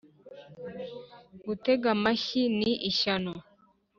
gutega amashyi ni ishyano